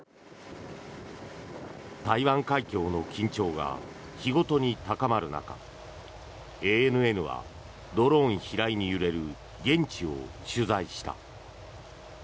台湾海峡の緊張が日ごとに高まる中ＡＮＮはドローン飛来に揺れる現地を取材した。